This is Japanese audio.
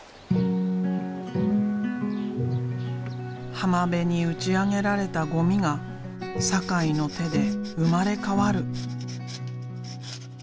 浜辺に打ち上げられたゴミが酒井の手で生まれ変わる。